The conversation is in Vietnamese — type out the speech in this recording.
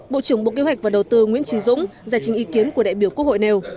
bộ trưởng bộ kế hoạch và đầu tư nguyễn trí dũng giải trình ý kiến của đại biểu quốc hội nêu